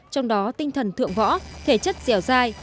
trong đó tinh thần thượng võ thể chất dẻo dai